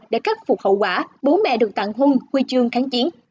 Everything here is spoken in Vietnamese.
để cắt phục hậu quả bố mẹ được tặng hôn huy chương kháng chiến